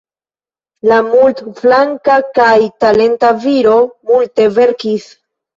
La multflanka kaj talenta viro multe verkis.